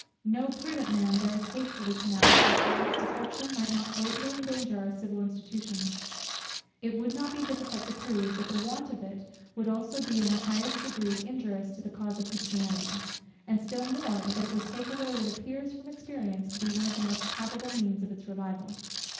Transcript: No prudent man dares hastily pronounce how far its destruction might not greatly endanger our civil institutions. It would not be difficult to prove, that the want of it would also be in the highest degree injurious to the cause of Christianity; and still more, that it would take away what appears from experience to be one of the most probable means of its revival.